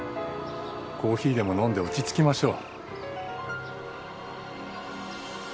コーヒーでも飲んで落ち着きましょう。